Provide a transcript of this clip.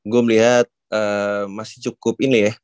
gue melihat masih cukup ini ya